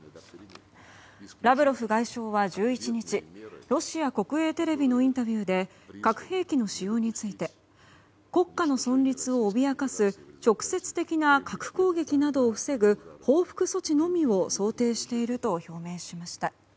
ラブロフ外相は１１日ロシア国営テレビのインタビューで核兵器の使用について国家の存立を脅かす直接的な核攻撃などを防ぐ報復措置のみを想定していると表明しました。